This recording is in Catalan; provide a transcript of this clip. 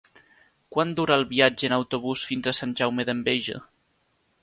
Quant dura el viatge en autobús fins a Sant Jaume d'Enveja?